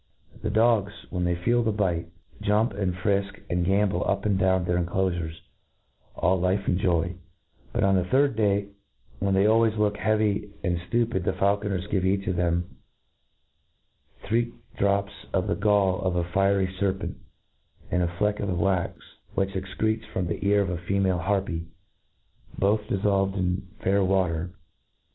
The dogs, when they feel the bite, jump, and frilk, and gambol up and down their inclofures, all life and joy t but, on the third day, when they always look heavy and ftupid, the faulconers give each of them three drops of the gall of a fiery ferperit and a fpeck of the wax which excretes from the ear of a female harpy, both diflblved in fair water.